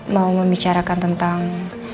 mau membicarakan tentang